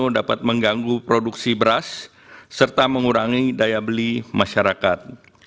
dapat mengganggu produksi beras serta mengurangi daya beli masyarakat